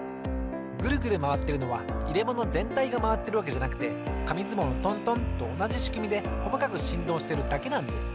グルグルまわってるのはいれものぜんたいがまわってるわけじゃなくてかみずもうのトントンとおなじしくみでこまかくしんどうしてるだけなんです。